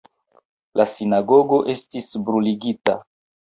La sinagogo estis bruligita.